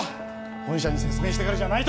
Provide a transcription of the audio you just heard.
本社に説明してからじゃないと！